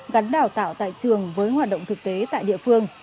gắn đào tạo tại trường với hoạt động thực tế tại địa phương